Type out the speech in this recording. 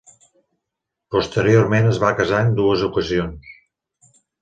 Posteriorment es va casar en dues ocasions.